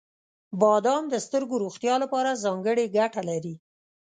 • بادام د سترګو روغتیا لپاره ځانګړې ګټه لري.